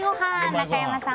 中山さん